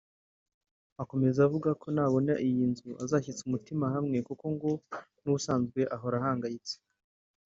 Akomeza avuga ko nabona iyi nzu azashyitsa umutima hamwe kuko ngo mu busanzwe ahora ahangayitse